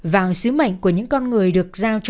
vào sứ mệnh của những con người được giao